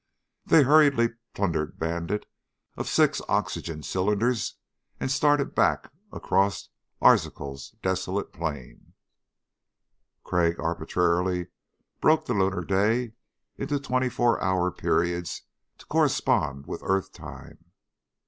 They hurriedly plundered Bandit of six oxygen cylinders and started back across Arzachel's desolate plain. Crag arbitrarily broke the lunar day into twenty four hour periods to correspond with earth time.